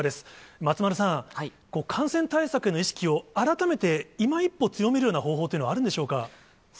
松丸さん、感染対策の意識を改めて、いま一歩強めるような方法というのはあるんでしょうか。